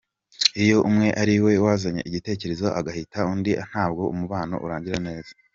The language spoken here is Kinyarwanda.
iyo umwe ariwe wazanye igitekerezo akagihatira undi ntabwo umubano urangira neza.